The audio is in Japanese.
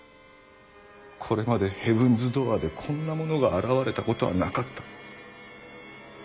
これまでヘブンズ・ドアーでこんなものが現れたことはなかった。